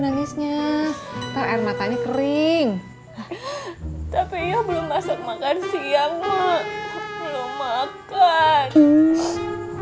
nangisnya terakhir matanya kering tapi ya belum masak makan siang belum makan